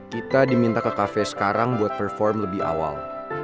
kita diminta ke cafe sekarang buat perform lebih awal